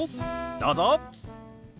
どうぞ。